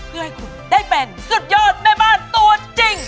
เพื่อให้คุณได้เป็นสุดยอดแม่บ้านตัวจริง